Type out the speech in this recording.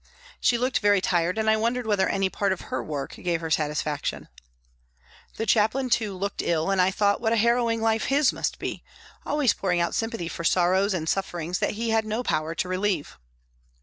She looked very tired, and I wondered whether any part of her work gave her satisfaction. The Chaplain, too, looked ill and I thought what a harrowing life his must be, always pouring out sympathy for sorrows and sufferings THE HOSPITAL 99 that he had no power to relieve.